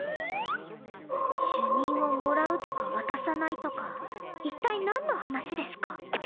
「主任をもらうとか渡さない」とか一体なんの話ですか？